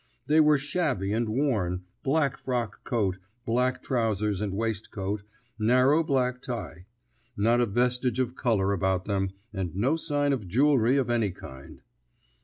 They were shabby and worn; black frock coat, black trousers and waistcoat, narrow black tie. Not a vestige of colour about them, and no sign of jewellery of any kind.